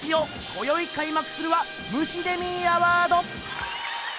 こよいかいまくするはムシデミーアワード！